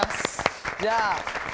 じゃあ。